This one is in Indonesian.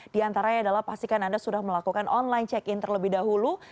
di antaranya adalah pastikan anda sudah melakukan online check in terlebih dahulu